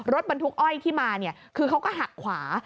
รถบรรทุกอ้อยที่มาเนี่ยคือเขาก็หักขวา